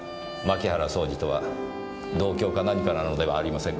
槇原惣司とは同郷か何かなのではありませんか？